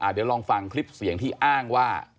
เดี๋ยวลองฟังคลิปเสียงที่อ้างว่า